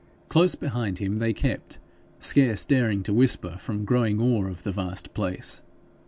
Close behind him they kept, scarce daring to whisper from growing awe of the vast place.